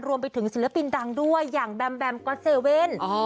รวมไปถึงศิลปินดังด้วยอย่างแบมแบมกอร์ดเซเว่น